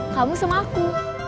kamu sama aku